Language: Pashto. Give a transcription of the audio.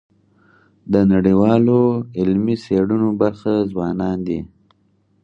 د نړیوالو علمي څېړنو برخه ځوانان دي.